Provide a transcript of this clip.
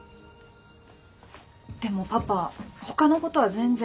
でもパパほかのことは全然。